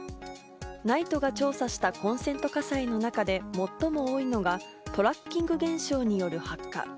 ＮＩＴＥが調査したコンセント火災の中で最も多いのがトラッキング現象による発火。